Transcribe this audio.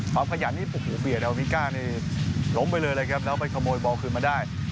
เฝียร์เตียอัลวิกานี่ล้มไปเลยเลยครับแล้วไปขโมยบอลคืนมาได้